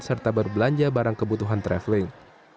serta berbelanja barang kebutuhan traveling